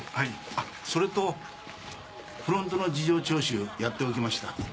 あっそれとフロントの事情聴取やっておきました。